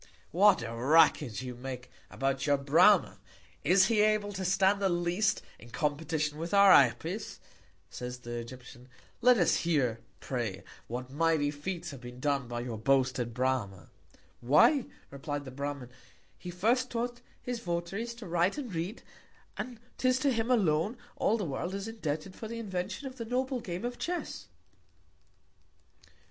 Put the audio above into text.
What a Racket you make about your Brama! Is he able to stand the least in Competition with our Apis, said the Egyptian? Let us hear, pray, what mighty Feats have been done by your boasted Brama? Why, replied the Bramin, he first taught his Votaries to write and read; and 'tis to him alone, all the World is indebted for the Invention of the noble Game of Chess.